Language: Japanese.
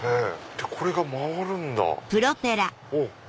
これが回るんだ！